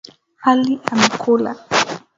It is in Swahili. Ali amekula.